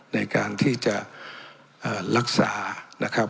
ในการที่จะรักษานะครับ